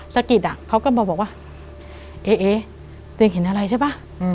สะกิดอ่ะเขาก็มาบอกว่าเอ๊ตัวเองเห็นอะไรใช่ป่ะ